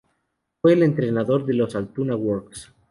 Fue el entrenador de los Altoona Works.